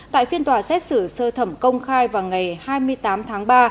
tại phiên tòa xét xử sơ thẩm công khai vào ngày hai mươi tám tháng ba